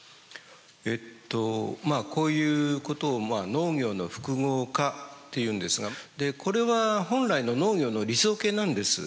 えとこういうことを農業の複合化っていうんですがこれは本来の農業の理想形なんです。